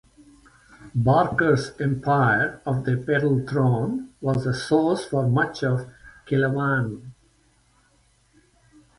Barker's Empire of the Petal Throne was the source for much of Kelewan.